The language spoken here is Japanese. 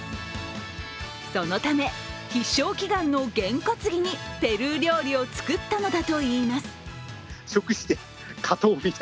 そのため必勝祈願の験担ぎにペルー料理を作ったのだといいます。